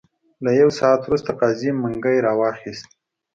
له یو ساعت وروسته قاضي منګی را واخیست.